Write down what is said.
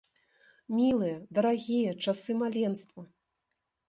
Мілыя, дарагія часы маленства!